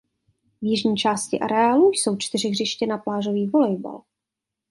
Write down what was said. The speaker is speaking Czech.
V jižní části areálu jsou čtyři hřiště na plážový volejbal.